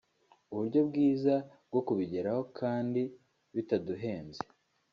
uburyo bwiza bwo kubigeraho kandi bitaduhenze